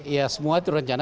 ya semua itu rencana